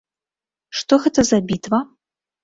Што гэта за бітва?